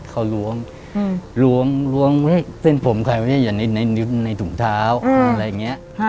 เขารวงเส้นผมในถุงเท้าอะไรอย่างนี้